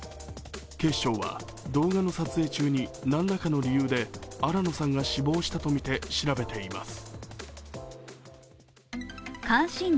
警視庁は、動画の撮影中に何らかの理由で新野さんが死亡したとみて調べています。